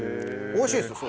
おいしいですよ